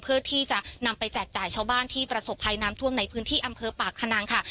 เพื่อที่จะนำไปแจกจ่ายชาวบ้านที่ประสบภัยน้ำท่วมในพื้นที่อำเภอปากขนังค่ะ